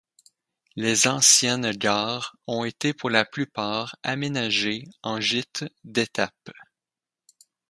Les anciennes gares ont été pour la plupart aménagées en gîte d'étape.